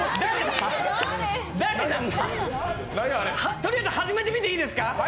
とりあえず始めてみていいですか。